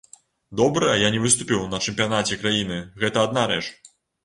Добра, я не выступіў на чэмпіянаце краіны, гэта адна рэч.